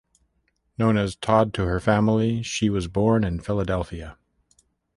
Known as "Tod" to her family, she was born in Philadelphia.